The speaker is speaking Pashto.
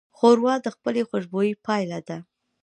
ښوروا د پخلي د خوشبویۍ پایله ده.